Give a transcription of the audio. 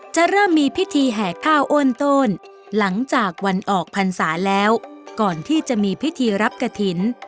เริ่มมีพิธีแห่ข้าวโอนโต้นหลังจากวันออกพรรษาแล้วก่อนที่จะมีพิธีรับกระถิ่น